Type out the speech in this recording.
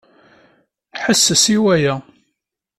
Ḥesses i waya!